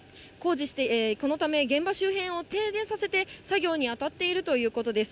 このため、現場周辺を停電させて、作業に当たっているということです。